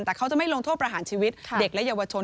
แต่เขาจะไม่ลงโทษประหารชีวิตเด็กและเยาวชน